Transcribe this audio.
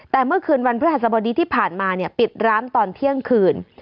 แต่เมื่อคืนวันพฤหัสบดีที่ผ่านมาเนี่ยปิดร้านตอนเที่ยงคืน